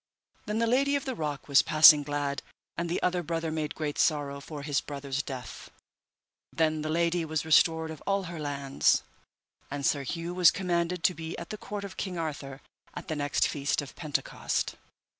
Then the Lady of the Rock was passing glad, and the other brother made great sorrow for his brother's death. Then the lady was restored of all her lands, and Sir Hue was commanded to be at the court of King Arthur at the next feast of Pentecost.